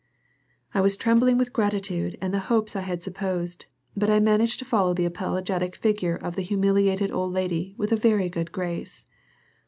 I was trembling with gratitude and the hopes I had suppressed, but I managed to follow the apologetic figure of the humiliated old lady with a very good grace.